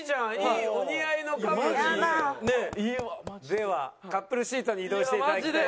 ではカップルシートに移動していただきたいと思います。